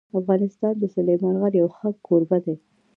افغانستان د سلیمان غر یو ښه کوربه دی.